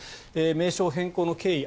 名称変更の経緯